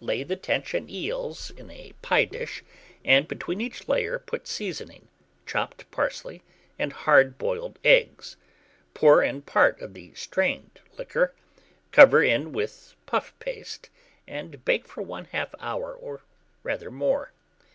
Lay the tench and eels in a pie dish, and between each layer put seasoning, chopped parsley, and hard boiled eggs; pour in part of the strained liquor, cover in with puff paste, and bake for 1/2 hour or rather more.